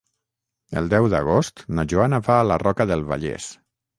El deu d'agost na Joana va a la Roca del Vallès.